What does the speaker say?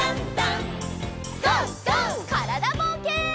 からだぼうけん。